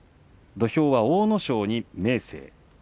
土俵は阿武咲に明生。